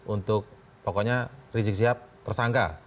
untuk pokoknya rizik sihab tersangka